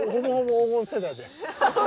黄金世代。